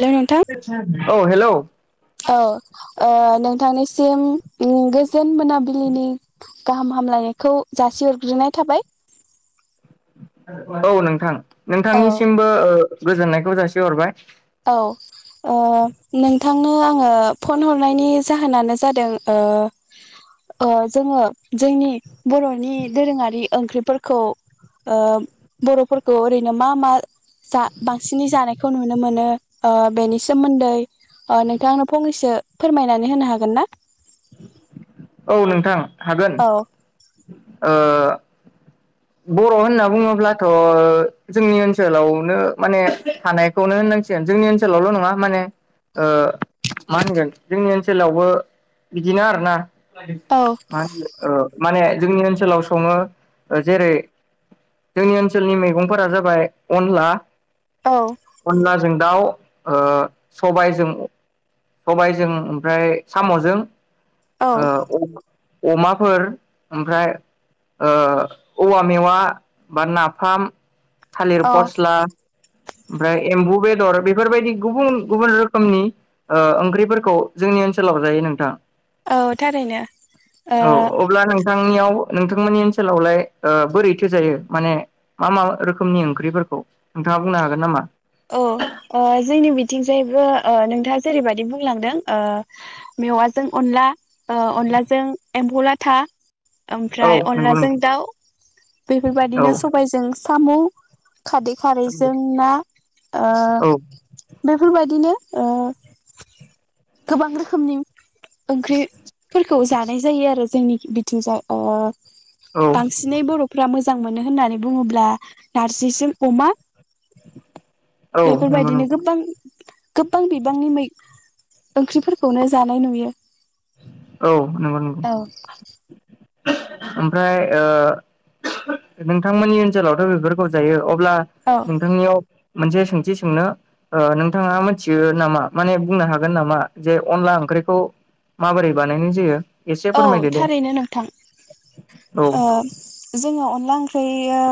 हेल' नोंथां? औ हेलौ। औ ओ नोंथांनि सिम ओ गोजोन मोनाबिलिनि गाहाम हामलायनायखौ जासिहरग्रोनाय थाबाय। औ नोंथां। औ नोंथांनिसिमबो ओ गोजोननायखौ जासिहरबाय। औ। ओ नोंथांनो आंङो फन हरनायनि जाहोनानो जादों ओ ओ जोंङो जोंनि बर'नि दोरोङारि ओंख्रिफोरखौ ओ बर'फोर खौ ओरैनो मा मा जा बांसिनै जानायखौ नुनो मोनो ओ बेनि सोमोन्दै ओ नोंथांआ आंनो फंनैसो फोरमायनानै होनो हागोन ना? औ नोंथां। हागोन। औ बर' होनना बुङोब्लाथ' जोंनि ओनसोलावनो ओ माने थानायखौनो होननांसिगोन। जोंनि ओनसोलावल' नङा माने ओ मा होनगोन जोंनि ओनसोलावबो बिदिनो आरो ना मा होनगोन ओ माने जोंनि ओनसोलाव संङो जेरै जोंनि ओनसोलनि मैगंफोरा जाबाय अनला, औ अनलाजों दाउ, ओ सबायजों सबायजों ओमफ्राय साम'जों, औ ओ अ अमाफोर, ओमफ्राय ओ औवा मेवा बा नाफाम, थालिर औ फसला, ओमफ्राय एम्बु बेदर बेफोरबायदि गुबुन गुबुन रोखोमनि ओ ओंख्रिफोरखौ जोंनि ओनसोलाव जायो नोंथां। औ थारैनो ओ थांनियाव नोंथांमोननि ओनसोलावलाय ओ बोरैथो जायो? माने मा मा रोखोमनि ओंख्रिफोरखौ नोंथांङा बुंनो हागोन नामा? औ ओ जोंनि बिथिंजायबो ओ नोंथांङा जेरै बायदि बुंलांदों ओ मेवाजों अनला, ओ अनलाजों एम्फौ ला था, औ ओमफ्राय नंगौ नों अनलाजों दाव बेफोरबायदिनो औ सबाय जों साम' खारदै खारैजों ना ओ औ बेफोर बादिनो ओ गोबां रोखोमनि ओंख्रिफोरखौ जानाय जायो आरो जोंनिखि बिथिं जाय ओ औ बांसिनै बर'फ्रा मोज मोजां मोनो होननानै बुंङोब्ला नारजि जों अमा [unintelligible] औ नंगौ बेफोरबायदिनो नंगौ गोबां गोबबां बिबांनि मै ओंख्रिफोरखौनो जानाय नुयो। औ नंगौ नंगौ। औ ओमफ्राय ओ नोंथांमोननि ओनसोलावथ' बेफोरखौ जायो अब ब्ला नोंथांनियाव मोनसे सोंथि सोंनो ओ नोंथांङा मिथियो नामा माने बुंनो हागोन नामा जे अनला ओंख्रिखौ माबोरै बानायनाय जायो? एसे औ फोरमायदो दे थारैनो नोंथां। औ थां ओ जोंङो अन ला ओंख्रियोव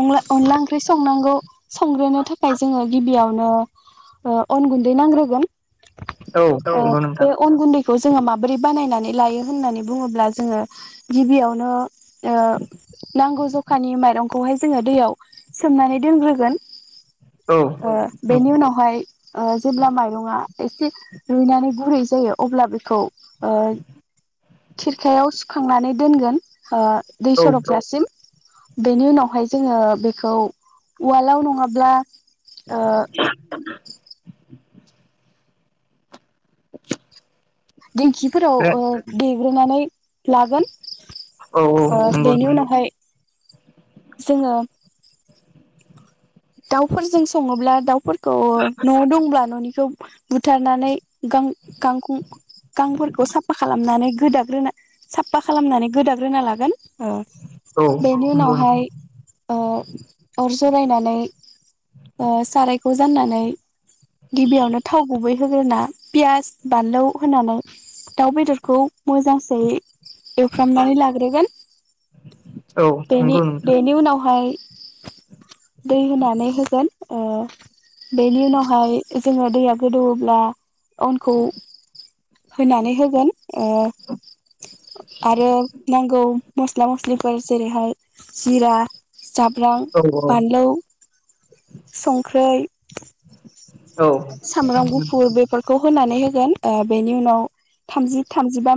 अंला अनला ओंख्रि संनांगौ। संग्रोनो थाखाय जोंङो गिबियावनो ओ अन गुन्दै नांग्रोगोन। औ ओ नंगौ अ बे नोंथां अन गुन्दै बेखौ जोंङो माबोरै बानायनानै लायो होननानै बुंङोब्ला जोंङो गिबियावनो ओ नांगौ जखानि माइरंखौहाय जोंङो दैयाव सोमनानै दोनग्रोगोन। औ ओ बेनि उनावहाय ओ जेब्ला माइरंङा एसे रुइनानै गुरै जायो अब्ला बेखौ ओ खिरखायाव सुखांनानै दोनगोन ओ दै औ सरबजासिम बेनि उनावहाय जोङो बेखौ उवालाव नङाब्ला ओ [unintelligible] दिेंखिफोराव ओ देग ग्रोनानै लागोन ओ नंगौ बेनि नंगौ उनावहाय जोङो दाउफोरजों सङोब्ला दाउफोरखौ न दंब्ला ननिखौ बुथारनानै गां गांखं गांफोरखौ साफा खालामनानै गोदाग्रोना साफा खालामनानै गोदाग्रोना लागोन औ बेनि उनावहाय नंगौ अर जलायनानै ओ सारायखौ जाननानै गिबियावनो थाव गुबै होग्रोना पियास बानलु होनानै दाउ बेदरखौ मोजांसे एवफ्रामनानै लाग्रोगोन औ बेनि नंगौ नोंथां बेनि उनावहाय दै होनानै होगोन बेनि उनावहाय जोङो दैया गोदौब्ला अनखौ होनानै होगोन आरो नांगौ मस्ला मस्लिफोर जेरैहाय जिरा जाब्रां औ बानलु संख्रै औ सामब्राम गुफुर बेफोरखौ होनानै होगोन बेनि उनाव थामजि थामजिबा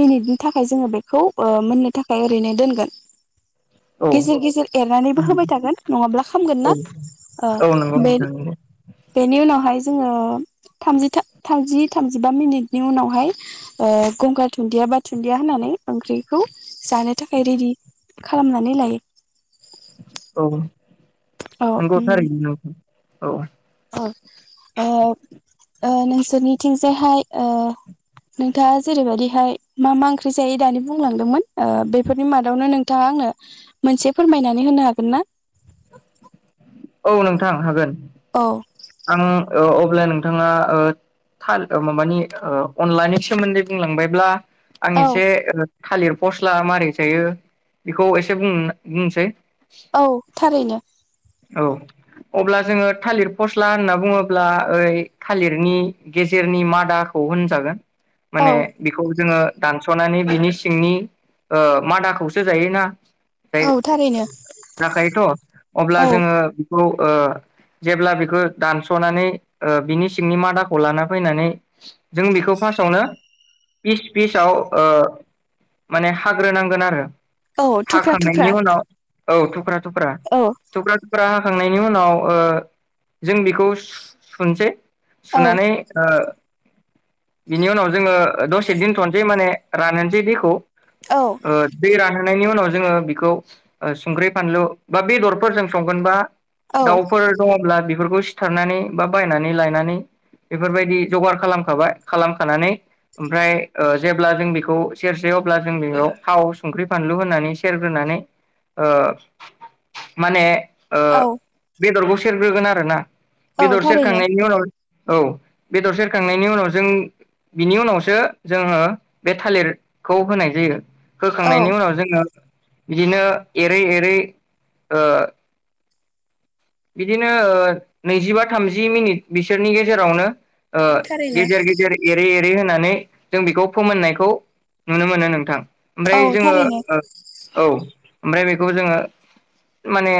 मिनिटनि थाखाय जोङो बेखौ मोननो थाखाय ओरैनो दोनगोन गेजेर गेजेर एरनानैबो होबाय थागोन नङाब्ला खामगोन ना औ नंगौ नोंथां नंगौ बेनि उनाव हाय जोङो थामजि थामजिबा मिनिटनि उनावहाय गंगार दुन्दिया बा दुन्दिया होननानै ओंख्रिखौ जानो थाखाय रेडि खालामनानै लायो औ नंगौ थारैनो नंगौ औ नोंसोरनिथिं जायहाय नोंथाङा जेरैबायदिहाय मा मा ओंख्रि जायो दानि बुंलांदोंमोन बेफोरनि मादावनो नोंथाङा आंनो मोनसे फोरमायनानै होनो हागोन ना औ नोंथां हागोन औ आङो अब्ला नोंथाङा माबानि अनलानि सोमोन्दै बुंलांबायब्ला आं औ एसे थालिर पस्ला [unintelligible] मारै जायो बेखौ एसे बुंनोसै औ थारैनो औ अब्ला जोङो थालिर फस्ला होनना बुङोब्ला ओइ थालिरनि गेजेरनि मादाखौ होनजागोन औ माने बेखौ जोङो दानसनानै बिनि सिंनि मादाखौसो जायोना [unintelligible] औ थारैनो जाखायोथ अब्ला औ जोङो [unintelligible] जेब्ला बेखौ दानस'नानै ओ बिनि सिंनि मादाखौ लाना फैनानै जों बेखौ फार्स्टआवनो ओ फिस फिसाव माने हाग्रोनांगोन आरो औ थुख्रा थुख्रा हाखांनायनि उनाव औ थुक्रा थुख्रा औ फ्रा हाखांनायनि उनाव ओ जों बेखौ सुनसै औ सुनानै ओ बिनि उनाव जोङो दसे दोनथ'नोसै माने रानहोनोसै दैखौ औ ओ देरा नायनि उनाव जोङो बेखौ ओ संख्रि बानलु बा बेदर फोरजों संगोनबा औ दाउफोर दङब्ला बेफोरखौ सिथारनानै बा बायनानै लायनानै बेफोर बायदि जगार खालामखाबाय खालामखानानै ओमफ्राय जेब्ला जों बेखौ सेरसेै अब्ला जों बेयाव थाव संख्रि फानलु होननानै सेरग्रोनानै माने औ ओं बेदर बुस सेरग्रोगोन आरोना औ बेदर थारैनो सेेरखांनायनि उनाव औ बेदर सेरखांनायनि उनाव जों बिनि उनावसो जोङो बे थालिरखौ होनाय जायो औ होखांनायनि उनाव जोङो बिदिनो एरै एरै ओ बिदिनो नैजिबा थामजि मिनिट बिसोरनि गेजेरावनो औ थारैनो गेजेर गेजेर एरै एरै होनानै जों बेखौ फोमोननायखौ नुनो मोनो नोंथां ओमफ्राय औ जोङो थारैनो औ ओमफ्राय बेखौ जोङो माने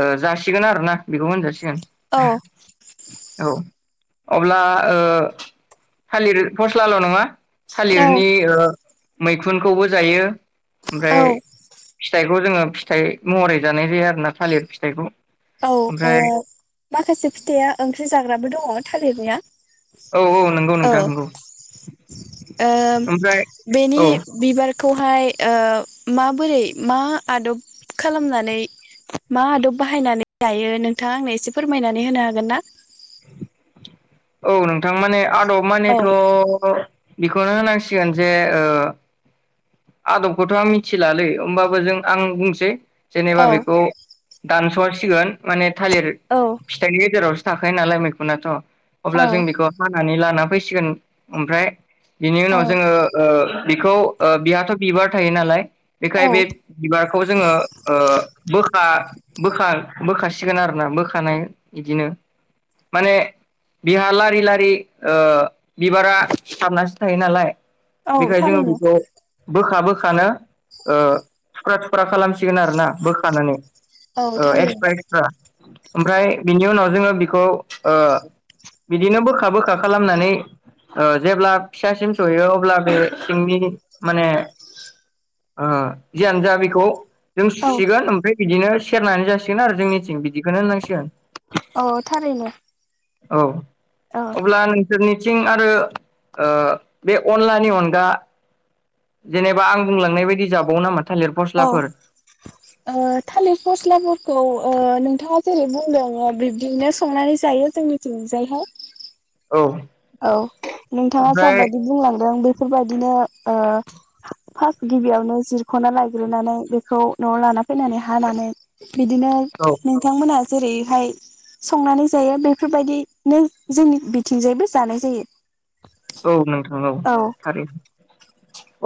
ओ जासि सिगोन आरोना बेखौ मोनजासे औ [inaudible] औ अब्ला ओ थालिर फस्लाल' नङा औ थालिरनि ओ मैखुनखौबो जायो। ओमफ्राय औ फिथाइखौ जोङो फिथाइ महरै जानाय जाया। थालिर फिथाइखौ। औ अ ओमफ्राय माखासे फिथाइया ओंख्रि जाग्राबो दङ। थालिर निया। औ औ नंगौ औ नोंथां नंगौ ओ ओमफ्राय बेनि औ बिबार खौहाय ओ माबोरै मा आदब खालामनानै मा आदब बाहायनानै दायो नोंथाङा आंनो एसे फोरमायनानै होनो हागोन ना? औ नोंथां माने आदब औ मानेथ' बेखौनो होनांसिगोन जे ओ आदबखौथ' आं मिथिलालै होमबाबो जों आं बुंसै। जेनेबा औ बेखौ दानस' सिगोन माने थालिर फिथाइनि गेजेराव थाखायो नालाय मैखनाथ'। अब्ला औ जों बेखौ हानानै लाना फैसिगोन ओमफ्राय बिनि उनाव औ जोङो ओ बेखौ ओ बिहाथ' बिबार थायो नालाय। बेखाय औ बे बिबारखौ जोङो ओ बोखा बोखार बोखासिगोन आरोना बोखानाय बिदिनो माने बिहा लारि लारि ओ बिबारा सारनासो थायो नालाय। औ बेखायनो जोङो थारैनो बेखौ बोखा बोखानो ओ थुख्रा थुख्रा खालाम सिगोन आरोना बोखानानै औ ओ थारैनो एक्सट्रा एक्सट्रा। ओमफ्राय बिनि उनाव जोङो बि बेखौ ओ बिदिनो बोखा बोखा बोखा खालामनानै ओ जेब्ला फिसासिम सहैयो अब्ला बे सिंनि माने ओ जियानोजा बेखौ जों औ सुसिगोन ओमफ्राय बिदिनो सेरनानै जासिगोन आरो जोंनिथिं बिदिखौनो होननांसिगोन। औ थारैनो औ। औ अब्लानो। बसोरनिथिं आरो ओ बे अनलानि अनगा। जेनेबा आं बुंलांनाय बायदि जाबाव नामा। थालिर औ फस्लाफोर थालिर ओ फस्लाफोरखौ। ओ नोंथाङा जेरै बुंदों बिब्दिनो संनानै जायो जोंनिथिंजायहाय। औ औ नोंथाङा ओमफ्राय साबायदि बुंलांदों बे बेफोरबायदिनो ओ फार्स्ट गिबियावनो जिरख'ना लायग्रोनानै बेखौ न'आव लाना फैनानै हानानै बिदिनो औ नोंथांमोना जेरैहाय संनानै जायो बेफोरबायदिनो जोंनि बिथिंजायबो जानाय जायो। औ नों औ आरो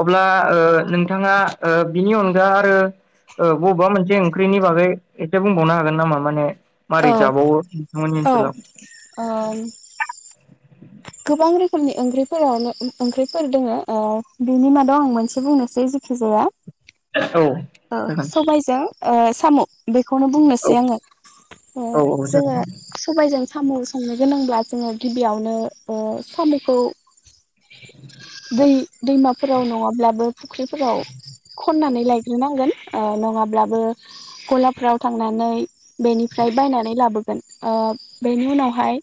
अब्ला ओ नोंथाङा बिनि अनगा आरो ओ बबेबा मोनसे ओंख्रिनि बागै एसे बुंबावनो हागोन नामा माने मोरै औ जाबाव ओम गोबां रोखोमनि ओंख्रिफोरावनो ओंख्रिफोर दङो ओ बिनि मादाव आं मोनसे बुंनोसै जखिजाया औ ओ जागोन सबायजों ओ सामु बेखौनो औ बुंनोसै आङो औ औ जोङो जागोन सबायजों साम' संनो गोनांब्ला जोङो गिबियावनो ओ साम'खौ दै दैमाफोराव नङाब्लाबो फुख्रिफोराव खननानै लाय नांगोन नङाब्लाबो गलाफ्राव थांनानै बेनिफ्राय बायनानै लाबोगोन बेनि उनावहाय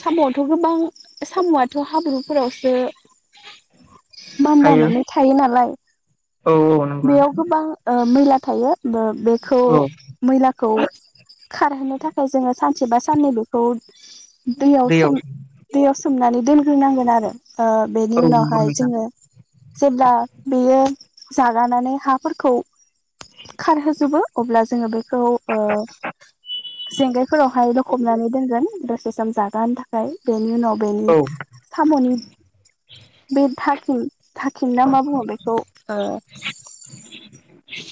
साम'आवथ' गोबां साम'आथ' हाब्रुफोरावसो हायो मानलानानै थायो नालाय औ औ नंगौ बेयाव नोंथां गोबां ओ मैला थायो ओ बेखौ औ मैलाखौ खारहोनो थाखाय जोङो सानसे बा साननै बेखौ दैयाव दैयावसोम दैयाव सोमनानै दोनग्रोनांगोन आरो ओ बेनि औ नंगौ उनावहाय नोंथां जोङो जेब्ला बेयो जागानानै हाफोरखौ खारहोजोबो अब्ला जोङो बेखौ ओ जेंगायफोरावहाय औ लखबनानै दोनगोन। [unintelligible] थाखाय बेनि उनाव बेनि औ साम'नि [unintelligible] [unintelligible] थाखिन ना मा बुङो बेखौ?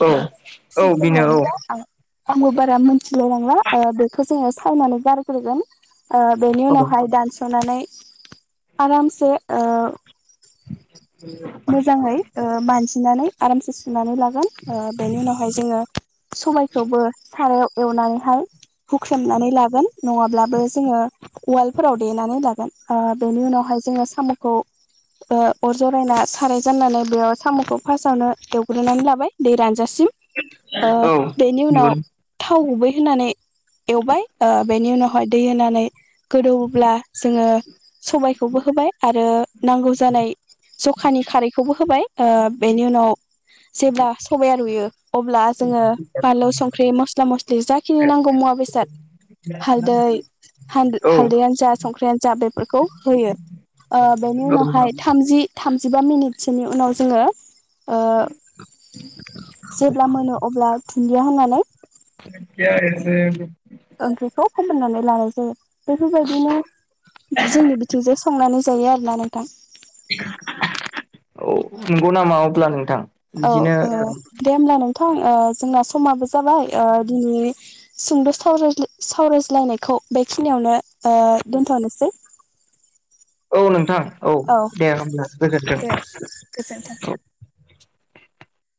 औ बेनो औ औ [unintelligible] आंबो बारा मिथिलाय लांला ओ बेखौ जोङो सायनानै गारग्रोगोन ओ बेनि औ उनावहाय दानस'नानै आरामसे ओ मोजाङै ओ मानजिनानै आरामसे सुनानै ला गोन ओ बेनि उनावहाय जोङो सबायखौबो सारायाव एवनानैहाय हुख्रेमनानै लागोन नङाब्लाबो जोङो उवालफोराव देनानै लागोन ओ बेनि उनावहाय जोङो साम'खौ ओ अर जरायना साराय जाननानै बेयाव साम'खौ फास्टावनो एवग्रोनानै लाबाय दै रानजा सिम ओ बेनि नंगौ उनाव थाव गुबै होनानै एवबाय ओ बेनि उनाव हाय दै होनानै गोदौहोब्ला जोङो सबायखौबो होबाय । आरो नांगौ जानाय सम खानि खारैखौबो होबाय । ओ बेनि उनाव जेब्ला सबाया रुयो अब्ला जोङो बानलु सं ख्रि मस्ला मस्लि जाखिनि नांगौ मुवा बेसाद हालदै हाल औ हालदैआनो जा । संख्रियानो जा बेफोरखौ होयो । ओ बेनि उनावहाय थामजि थामजिबा मिनिटसोनि उनाव जोङो ओ जेब्ला मोनो अब्ला धुन दिया होननानै ओंख्रिखौ फोमोननानै लानाय जायो । बेफोरबायदिनो जोंनि बिथिंजों संनानै जायो आरोना नोंथां । औ नंगौ नामा अब्ला नोंथां । औ औ दे होमब्ला नों थां ओ जोंना समाबो जाबाय ओ दिनै सुंद' सावरायज्लाय सावरायज्लायनायखौ बेखिनियावनो ओ दोनथ'नोसै । औ नोंथां औ दे होनब्ला गोजोनथों औ दे गोजोन्थों ।